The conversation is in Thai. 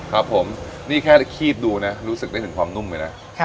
ครับผมนี่แค่คีบดูนะรู้สึกได้ถึงความนุ่มเลยนะ